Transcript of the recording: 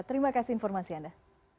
terima kasih informasi anda